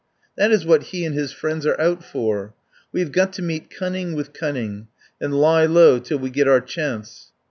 That is what he and his friends are out for. We have got to meet cunning with cunning, and lie low till we get our chance."